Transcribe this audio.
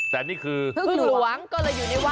แต่นี่คือพึ่งหลวงก็เลยอยู่ในวัด